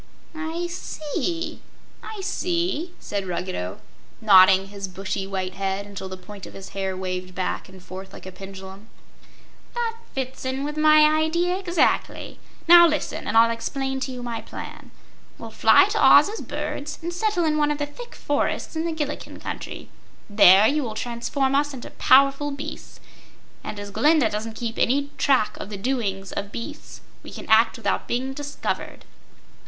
"I see; I see," said Ruggedo, nodding his bushy, white head until the point of his hair waved back and forth like a pendulum. "That fits in with my idea, exactly. Now, listen, and I'll explain to you my plan. We'll fly to Oz as birds and settle in one of the thick forests in the Gillikin Country. There you will transform us into powerful beasts, and as Glinda doesn't keep any track of the doings of beasts we can act without being discovered."